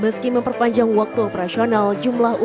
meski memperpanjang waktu operasional